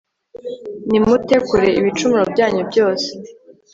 Nimute kure ibicumuro byanyu byose